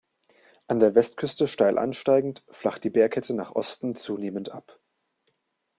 An der Westküste steil ansteigend, flacht die Bergkette nach Osten zunehmend ab.